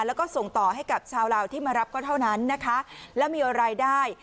แล้วก็ส่งต่อให้กับชาวลาวที่มารับก็เท่านั้นนะคะแล้วมีรายได้